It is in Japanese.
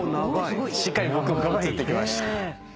しっかり僕も写ってきました。